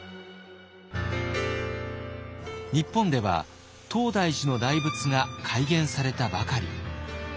日本では東大寺の大仏が開眼されたばかり。